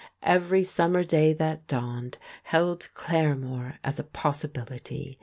Every summer day that dawned held Claremore as a possibility.